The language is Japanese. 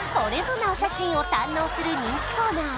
なお写真を堪能する人気コーナー